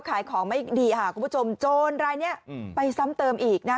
ขายของไม่ดีคุณผู้ชมโจรอะไรเนี่ยไปซ้ำเติมอีกนะ